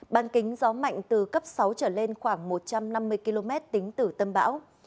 ban kính gió mạnh từ cấp sáu trở lên khoảng một trăm năm mươi km tính từ tâm bão